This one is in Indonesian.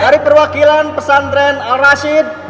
dari perwakilan pesantren al rashid